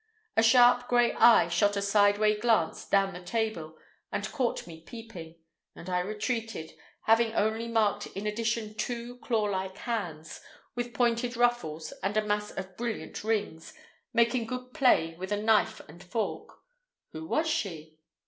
A sharp gray eye shot a sideway glance down the table and caught me peeping, and I retreated, having only marked in addition two clawlike hands, with pointed ruffles and a mass of brilliant rings, making good play with a knife and fork. Who was she?